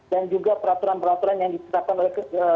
dan juga peraturan peraturan yang diterapkan oleh